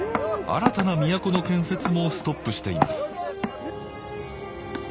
新たな都の建設もストップしています